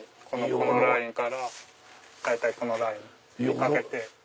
このラインから大体このラインにかけて。